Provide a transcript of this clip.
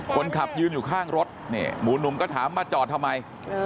คนขับยืนอยู่ข้างรถนี่หมู่หนุ่มก็ถามมาจอดทำไม